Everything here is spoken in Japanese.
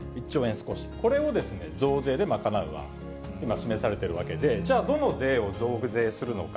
少し、これを増税で賄うのは、今示されているわけで、じゃあ、どの税を増税するのか。